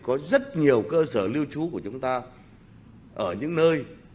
có rất nhiều cơ sở lưu trú của chúng ta ở những nơi